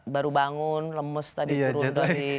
baru bangun lemes tadi turun dari